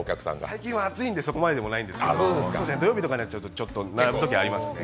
最近は暑いんでそこまでじゃないんですけど土曜日とかになっちゃうと、並ぶときありますね。